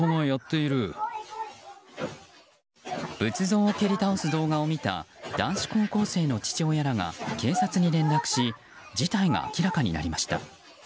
仏像を蹴り倒す動画を見た男子高校生の父親らが警察に連絡し事態が明らかになりました。